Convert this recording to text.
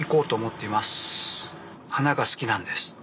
花が好きなんです。